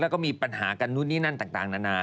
แล้วก็มีปัญหากันนู่นนี่นั่นต่างนานา